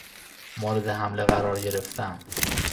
مورد حمله قرار گرفتن